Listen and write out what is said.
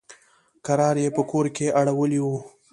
کرار يې په کور کښې اړولي وو.